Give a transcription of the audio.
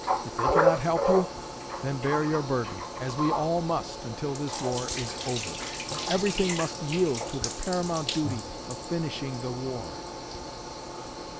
If they cannot help you, then bear your burden, as we all must, until this war is over. Everything must yield to the paramount duty of finishing the war."